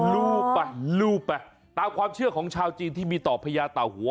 รูปไปลูบไปตามความเชื่อของชาวจีนที่มีต่อพญาเต่าหัว